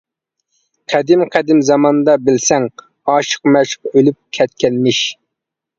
قەدىم-قەدىم زاماندا بىلسەڭ، ئاشىق-مەشۇق ئۆلۈپ كەتكەنمىش.